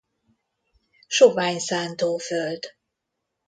Sovány szántóföld.